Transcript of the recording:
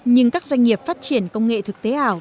nhưng các doanh nghiệp phát triển công nghệ thực tế ảo